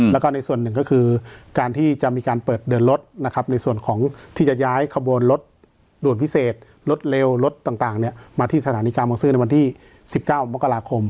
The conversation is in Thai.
แล้วก็ในส่วนหนึ่งก็คือการที่จะมีการเปิดเดินรถนะครับในส่วนของที่จะย้ายขบวนรถด่วนพิเศษรถเร็วรถต่างมาที่สถานีกลางบังซื้อในวันที่๑๙มกราคม